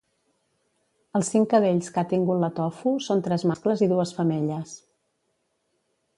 Els cinc cadells que ha tingut la Tofu son tres mascles i dues femelles